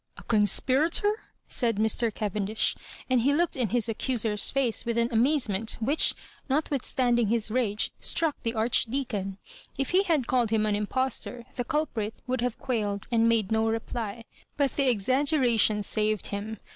a conspirator 9" said Mr. Caven dish, and he looked in his accuser's face with an amazement which, notwithstanding his rage, struck the Archdeacon. If he had called him an impostor, the culprit would have quailed and made no reply. But the exaggeration saved him.